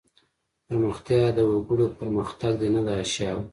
پرمختیا د وګړو پرمختګ دی نه د اشیاوو.